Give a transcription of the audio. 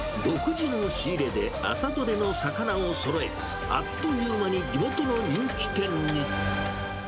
独自の仕入れで朝取れの魚をそろえ、あっという間に地元の人気店に。